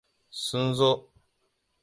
Sun zo.